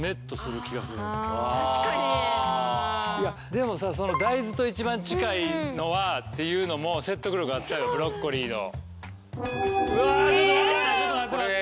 でも大豆と一番近いのはっていうのも説得力あったよブロッコリーの。